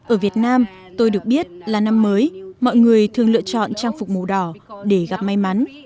ở việt nam tôi được biết là năm mới mọi người thường lựa chọn trang phục màu đỏ để gặp may mắn